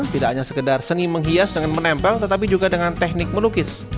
tidak hanya sekedar seni menghias dengan menempel tetapi juga dengan teknik melukis